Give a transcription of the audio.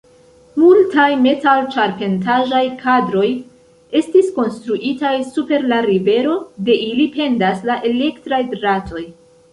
Multaj metal-ĉarpentaĵaj kadroj estis konstruitaj super la rivero; de ili pendas la elektraj dratoj.